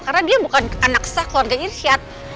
karena dia bukan anak sah keluarga irsyad